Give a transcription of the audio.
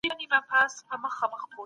طبي کتابونه وليکئ.